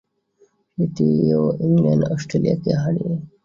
সেটিও ইংল্যান্ড অস্ট্রেলিয়াকে হারিয়ে।